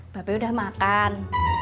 bapak udah makan